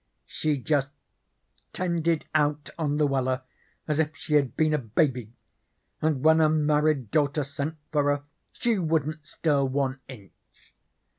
She just tended out on Luella as if she had been a baby, and when her married daughter sent for her she wouldn't stir one inch.